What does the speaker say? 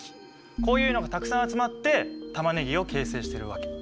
こういうのがたくさん集まってタマネギを形成してるわけ。